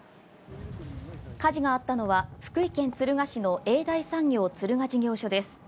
火事があったのは福井県敦賀市の永大産業敦賀事業所です。